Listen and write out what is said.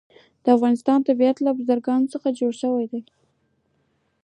د افغانستان طبیعت له بزګانو څخه جوړ شوی دی.